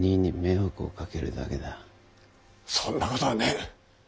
そんなことはねぇ。